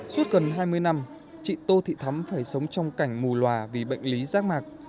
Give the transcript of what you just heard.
suốt gần hai mươi năm chị tô thị thắm phải sống trong cảnh mù loà vì bệnh lý rác mạc